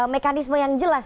mekanisme yang jelas